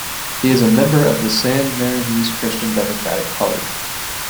He is a member of the San Marinese Christian Democratic Party.